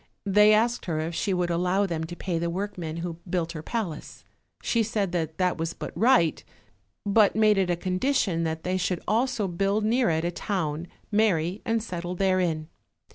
They asked her if she would allow them to pay the workmen who built her palace. She said that that was but right, but made it a condition that they should also build near it a town, marry and settle therein.